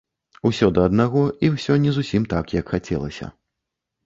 Усё да аднаго, і ўсё не зусім так, як хацелася.